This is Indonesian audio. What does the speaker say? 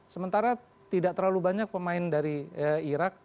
sementara tidak terlalu banyak pemain dari irak